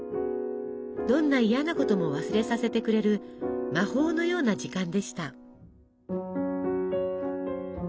どんな嫌なことも忘れさせてくれる魔法のような時間でした。